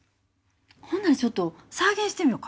ほんならちょっと再現してみよか。